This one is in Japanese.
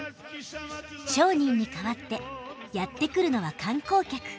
商人に代わってやって来るのは観光客。